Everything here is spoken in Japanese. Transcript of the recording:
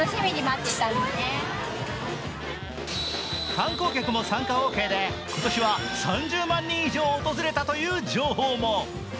観光客も参加オーケーで今年は３０万人以上訪れたという情報も。